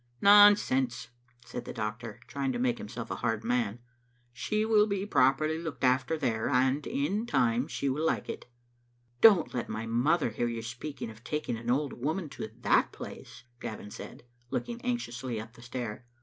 " Nonsense," said the doctor, trying to make himself a hard man. " She will be properly looked after there, and — and in time she will like it." " Don't let my mother hear you speaking of taking an old woman to that place," Gavin said, looking anxiously up the stair.